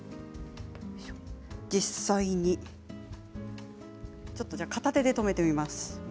実際に、ちょっと片手で留めてみます。